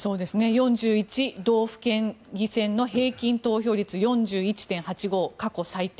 ４１道府県議選の平均投票率、４１．８５過去最低。